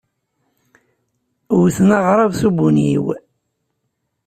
Wten aɣrab s ubunyiw.